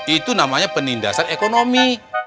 itu namanya penindasan ekonomi